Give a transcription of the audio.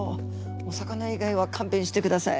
お魚以外はかんべんしてください。